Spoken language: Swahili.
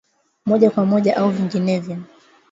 moja kwa moja au vinginevyo